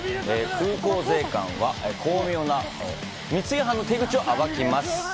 空港税関は巧妙な密輸犯の手口を暴きます。